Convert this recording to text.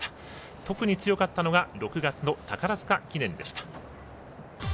特に強かったのが６月の宝塚記念でした。